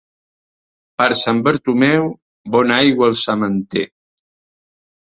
Per Sant Bartomeu, bona aigua al sementer.